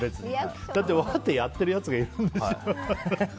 だって、うわーってやってるやつがいるんでしょ。